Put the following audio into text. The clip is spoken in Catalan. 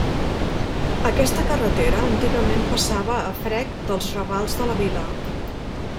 Aquesta carretera antigament passava a frec dels ravals de la vila.